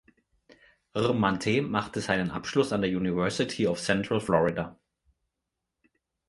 R’Mante machte seinen Abschluss an der University of Central Florida.